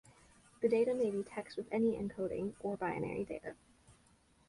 The data may be text with any encoding, or binary data.